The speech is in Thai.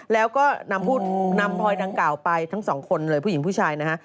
แล้วก็นำพลอยดังกล่าวไปทั้งสองคนเลยผู้หญิงผู้ชายนะฮะ